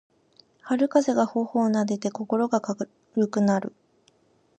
春風が頬をなでて心が軽くなる